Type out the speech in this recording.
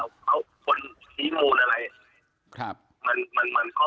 คนที่มีอะไร